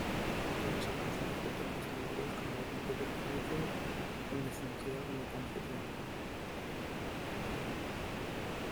Nunca más apareció en espectáculos televisivos como "The Computer Chronicle" donde fungía como coanfitrión.